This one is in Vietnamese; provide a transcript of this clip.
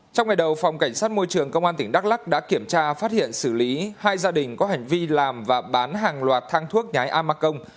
trong ngày đầu phòng cảnh sát môi trường công an tỉnh đắk lắc đã kiểm tra phát hiện xử lý hai gia đình có hành vi làm và bán hàng loạt thang thuốc nhái amakong